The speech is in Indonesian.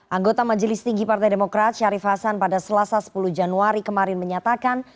anggota majelis tinggi partai demokrat syarif hasan pada selasa sepuluh januari kemarin menyatakan